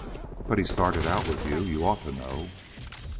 "But he started out with you. You ought to know."